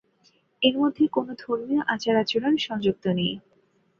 এর মধ্যে কোনো ধর্মীয় আচার-আচরণ সংযুক্ত নেই।